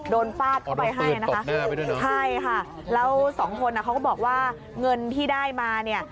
ฟาดเข้าไปให้นะคะใช่ค่ะแล้วสองคนเขาก็บอกว่าเงินที่ได้มาเนี่ย